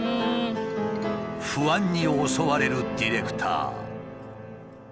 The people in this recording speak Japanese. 不安に襲われるディレクター。